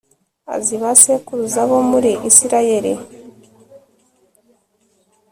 azi ba sekuruza bo muri isirayeli